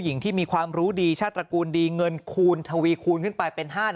หญิงที่มีความรู้ดีชาติตระกูลดีเงินคูณทวีคูณขึ้นไปเป็น๕๐๐